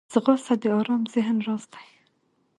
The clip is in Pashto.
ځغاسته د ارام ذهن راز دی